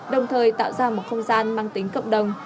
đồng thời tạo ra một không gian mang tính cộng đồng